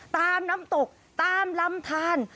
ตามน้ำตกตามลำทาน